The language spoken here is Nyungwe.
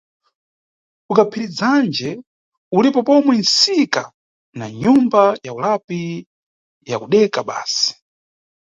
KuKaphirizanje ulipo pomwe nʼsika na nyumba ya ulapi yakudeka basi.